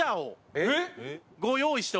えっ？